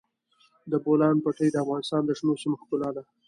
د بولان پټي د افغانستان د شنو سیمو ښکلا ده.